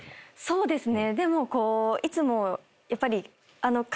そうですね。